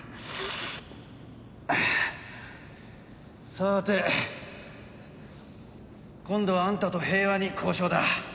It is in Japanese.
さーて今度はあんたと平和に交渉だ。